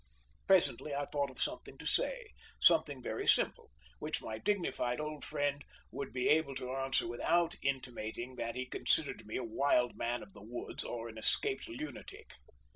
Presently I thought of something to say, something very simple, which my dignified old friend would be able to answer without intimating that he considered me a wild man of the woods or an escaped lunatic.